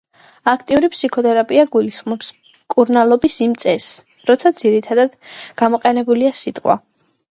აქტიური ფსიქოთერაპია გულისხმობს მკურნალობის იმ წესს, როცა ძირითადად გამოყენებულია სიტყვა.